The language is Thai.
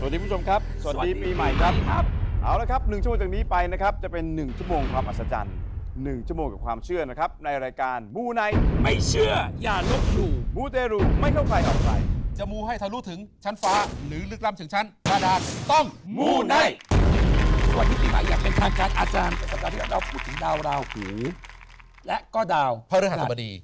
ตอนนี้เราพูดถึงดาวราวขูและก็ดาวพระธรรมดี